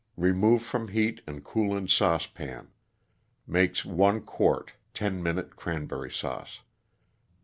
Remove from heat and cool in saucepan. Makes one quart 10 Minute Cranberry Sauce.